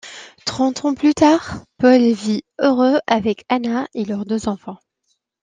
Trente ans plus tard, Paul vit heureux avec Anna et leurs deux enfants.